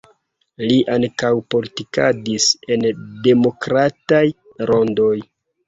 Li ankaŭ politikadis en demokrataj rondoj.